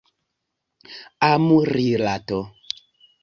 Amrilato.